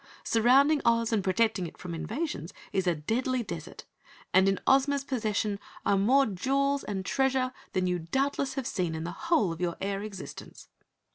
Surrounding Oz and protecting it from invasions is a deadly desert, and in Ozma's possession are more jewels and treasure than you doubtless have seen in the whole of your air existence."